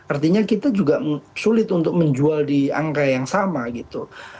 artinya kita juga sulit untuk menjual di angka yang sama gitu